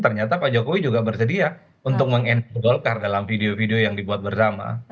ternyata pak jokowi juga bersedia untuk meng endor golkar dalam video video yang dibuat bersama